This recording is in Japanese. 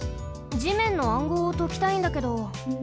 地面の暗号をときたいんだけど。